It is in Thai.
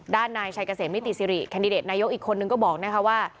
นายชัยเกษมนิติสิริแคนดิเดตนายกอีกคนนึงก็บอกนะคะว่า